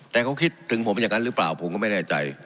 แต่เขาคิดถึงผมอย่างนั้นหรือเปล่าผมก็ไม่แน่ใจ